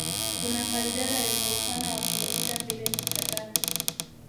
Kuna kaldera yenye upana wa kilomita mbili nukta tano